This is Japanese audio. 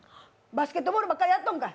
バスケットボールばっかりやってんか。